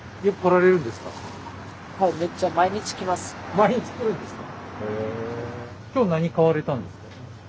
毎日来るんですか？